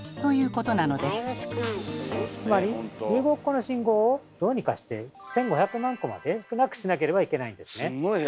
つまり１５億個の信号をどうにかして１，５００万個まで少なくしなければいけないんですね。